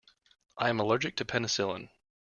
I am allergic to penicillin.